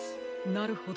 なるほど。